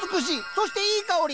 そしていい香り。